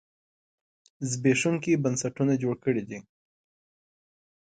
زبېښونکي بنسټونه جوړ کړي دي.